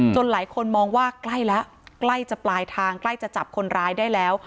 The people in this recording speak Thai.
หลายคนมองว่าใกล้แล้วใกล้จะปลายทางใกล้จะจับคนร้ายได้แล้ว